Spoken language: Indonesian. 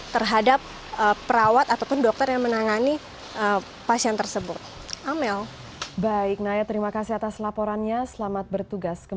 terhadap perawat ataupun dokter yang menangani pasien tersebut